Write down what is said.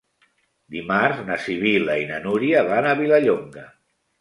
Dimarts na Sibil·la i na Núria van a Vilallonga.